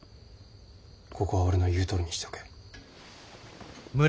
ここは俺の言うとおりにしておけ。